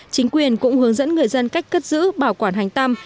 chính quyền cũng hướng dẫn người dân cách cất giữ bảo quản hành tâm